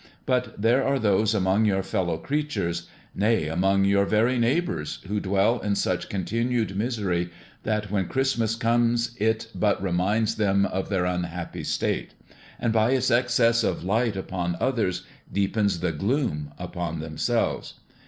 But there are those among your fellow creatures, nay, among your very neighbors, who dwell in such continued misery that when Christmas comes it but reminds them of their unhappy state, and by its excess of light upon others deepens the gloom about themselves.